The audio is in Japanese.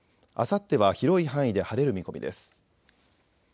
あさっては広い範囲で晴れる見込みです。